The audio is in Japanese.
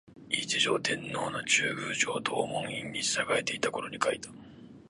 一条天皇の中宮上東門院（藤原道長の娘彰子）に仕えていたころに書いた